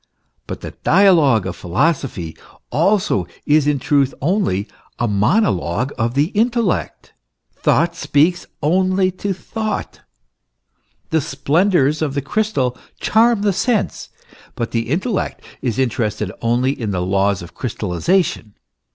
But the dialogue of philosophy also is in truth only a monologue of THE ESSENTIAL NATURE OF MAN. 9 the intellect; thought speaks only to thought. The splendours of the crystal charm the sense ; but the intellect is interested only in the laws of crystallization.